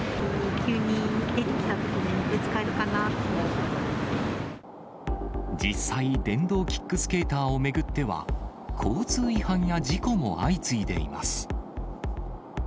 急に出てきたときに、ぶつか実際、電動キックスケーターを巡っては、交通違反や事故も相次いでいます。